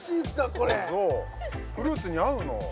これそうフルーツに合うの？